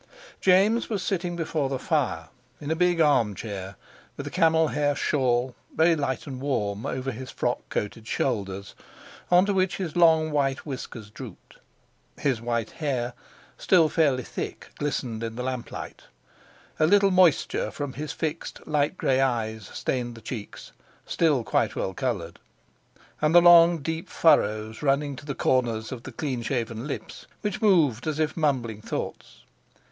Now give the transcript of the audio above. James was sitting before the fire, in a big armchair, with a camel hair shawl, very light and warm, over his frock coated shoulders, on to which his long white whiskers drooped. His white hair, still fairly thick, glistened in the lamplight; a little moisture from his fixed, light grey eyes stained the cheeks, still quite well coloured, and the long deep furrows running to the corners of the clean shaven lips, which moved as if mumbling thoughts.